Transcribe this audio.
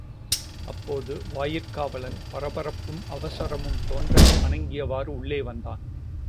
அப்போது வாயிற்காவலன் பரபரப்பும் அவசரமும் தோன்ற வணங்கியவாறு உள்ளே வந்தான்.